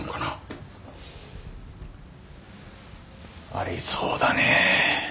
ありそうだね。